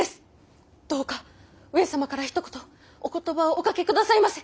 どうか上様からひと言お言葉をおかけ下さいませ。